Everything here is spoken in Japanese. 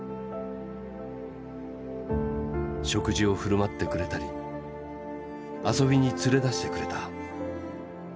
食事を振る舞ってくれたり遊びに連れ出してくれた。